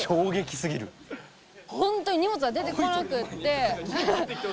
ほんとに荷物が出てこなくって。